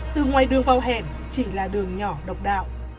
từ ngoài đường vào hẻm chỉ là đường nhỏ độc đạo